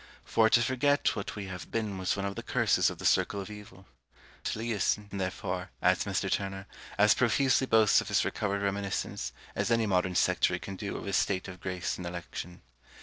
For to forget what we have been was one of the curses of the circle of evil. Taliessin, therefore, adds Mr. Turner, as profusely boasts of his recovered reminiscence as any modern sectary can do of his state of grace and election.